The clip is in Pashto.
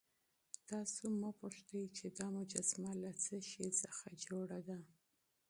تاسو مه پوښتئ چې دا مجسمه له څه شي څخه جوړه ده.